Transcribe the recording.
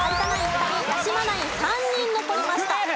２人八嶋ナイン３人残りました。